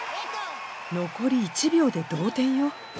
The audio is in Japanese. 残り１秒で同点よ。